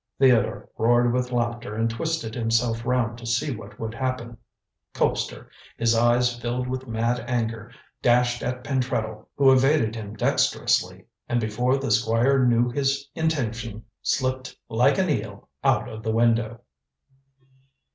Theodore roared with laughter and twisted himself round to see what would happen. Colpster, his eyes filled with mad anger, dashed at Pentreddle, who evaded him dexterously, and before the Squire knew his intention, slipped like an eel out of the window.